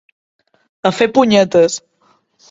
A fer punyetes.